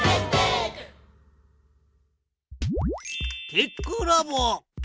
テックラボ。